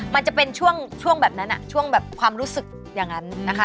มันจะเป็นช่วงแบบนั้นช่วงแบบความรู้สึกอย่างนั้นนะคะ